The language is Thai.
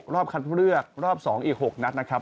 ๒๐๒๖รอบคันเพิ่มเลือกรอบ๒อีก๖นัดนะครับ